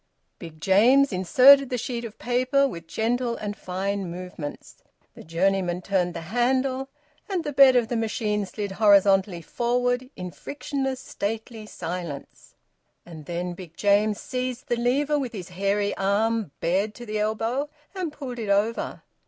Big James inserted the sheet of paper, with gentle and fine movements. The journeyman turned the handle, and the bed of the machine slid horizontally forward in frictionless, stately silence. And then Big James seized the lever with his hairy arm bared to the elbow, and pulled it over.